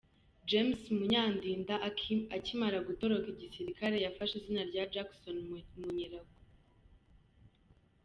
James Munyandinda akimara gutoroka igisirikare yafashe izina rya Jackson Munyeragwe.